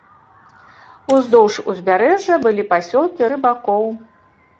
Уздоўж узбярэжжа былі пасёлкі рыбакоў.